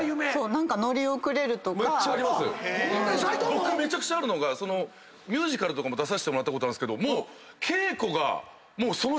僕めちゃくちゃあるのがミュージカル出させてもらったことあるんですけどもう。